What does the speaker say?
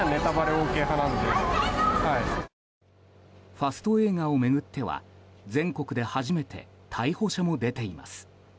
ファスト映画を巡っては全国で初めて逮捕者も出ています。